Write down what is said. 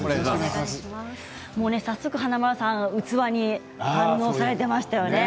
早速、華丸さん器に反応されてましたよね。